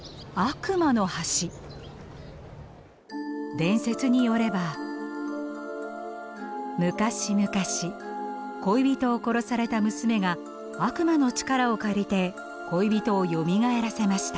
伝説によれば昔々恋人を殺された娘が悪魔の力を借りて恋人をよみがえらせました。